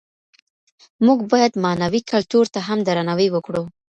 موږ بايد معنوي کلتور ته هم درناوی وکړو.